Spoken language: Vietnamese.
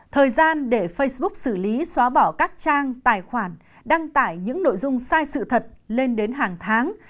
thời gian để facebook xử lý xóa bỏ các trang tài khoản đăng tải những nội dung sai sự thật lên đến hàng tháng